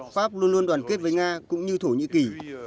pháp luôn luôn đoàn kết với nga cũng như thổ nhĩ kỳ